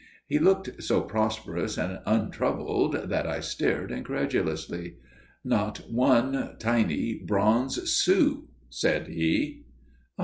He looked so prosperous and untroubled that I stared incredulously. "Not one tiny bronze sou," said he.